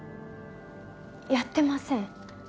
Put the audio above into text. やってません